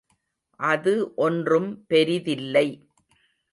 அது ஒன்றும் பெரிதில்லை.